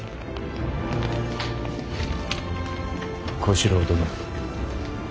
小四郎殿。